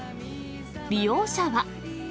利用者は。